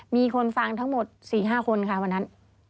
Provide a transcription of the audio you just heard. มีคนฟังทั้งหมด๔๕คนค่ะวันนั้น